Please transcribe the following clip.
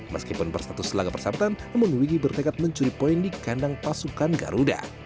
meskipun berstatus laga persahabatan namun wigi bertekad mencuri poin di kandang pasukan garuda